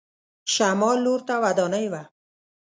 شمال لور ته ودانۍ وه.